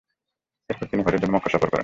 এরপর তিনি হজের জন্য মক্কা সফর করেন।